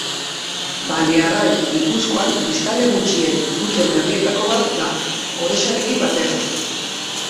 Baliarrain Gipuzkoan biztanle gutxien duten herrietako bat da, Orexarekin batera.